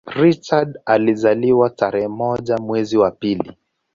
Richard alizaliwa tarehe moja mwezi wa pili